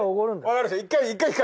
わかりました。